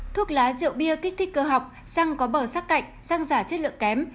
thuốc lá rượu bia kích thích cơ học răng có bờ sắc cạnh răng giả chất lượng kém